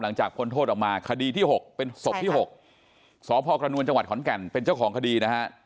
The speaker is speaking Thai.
พ้นโทษออกมาคดีที่๖เป็นศพที่๖สพกระนวลจังหวัดขอนแก่นเป็นเจ้าของคดีนะฮะ